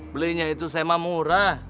belinya itu sama murah